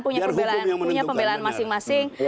punya pembelaan masing masing